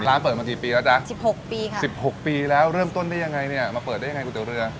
เปิดมากี่ปีแล้วจ๊ะสิบหกปีค่ะ๑๖ปีแล้วเริ่มต้นได้ยังไงเนี่ยมาเปิดได้ยังไงก๋วเรือ